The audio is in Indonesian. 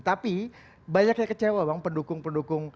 tapi banyak yang kecewa bang pendukung pendukung